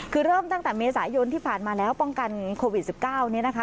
คือเริ่มตั้งแต่เมษายนที่ผ่านมาแล้วป้องกันโควิด๑๙เนี่ยนะคะ